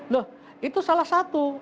loh itu salah satu